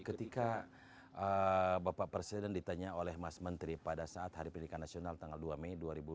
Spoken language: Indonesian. ketika bapak presiden ditanya oleh mas menteri pada saat hari pendidikan nasional tanggal dua mei dua ribu dua puluh